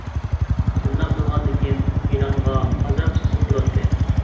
شۇنداق بولغاندىكىن ئېلانغا ئازراق چىقسىڭىز ياخشى بولاتتى.